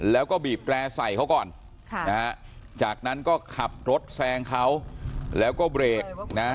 แล้วก็บีบแร่ใส่เขาก่อนค่ะนะฮะจากนั้นก็ขับรถแซงเขาแล้วก็เบรกนะ